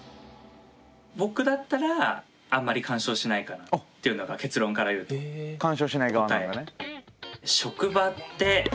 僕だったらあんまり干渉しないかなっていうのが結論から言うと答え。